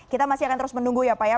kita masih akan terus menunggu ya pak ya